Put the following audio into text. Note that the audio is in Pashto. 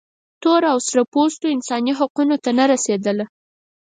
تور او سره پوستو انساني حقونو ته نه رسېدله.